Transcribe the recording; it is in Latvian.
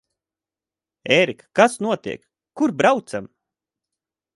Ērika, kas notiek? Kur braucam?